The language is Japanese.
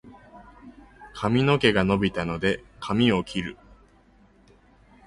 髪の毛が伸びたので、髪を切る。